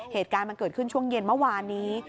เหตุการณ์มันเกิดขึ้นช่วงเย็นเมื่อวานนี้